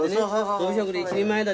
とび職で一人前だ